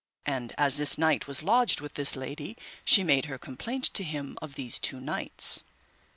And as this knight was lodged with this lady she made her complaint to him of these two knights.